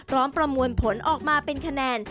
ประมวลผลออกมาเป็นคะแนน